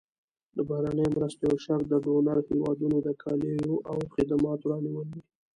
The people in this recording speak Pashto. د بهرنیو مرستو یو شرط د ډونر هېوادونو د کالیو او خدماتو رانیول دي.